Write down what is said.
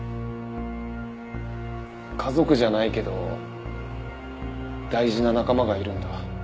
家族じゃないけど大事な仲間がいるんだ。